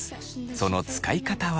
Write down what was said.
その使い方は。